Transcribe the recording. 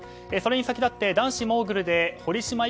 それに先立って男子モーグルで堀島